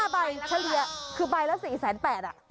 ๕ใบเฉลี่ยคือใบละ๔แสน๘ค่ะ